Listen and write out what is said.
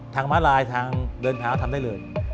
ทางมารายทางเดินทางต้องทำได้เลย